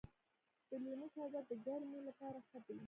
د لیمو شربت د ګرمۍ لپاره ښه دی.